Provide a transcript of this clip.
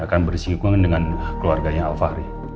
akan bersikap keren dengan keluarganya al fahri